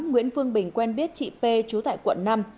nguyễn phương bình quen biết chị p trú tại quận năm